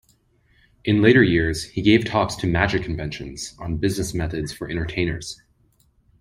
In later years he gave talks to magic conventions on business methods for entertainers.